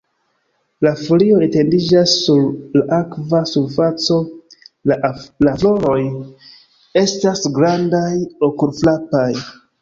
La folioj etendiĝas sur la akva surfaco, la floroj estas grandaj, okulfrapaj.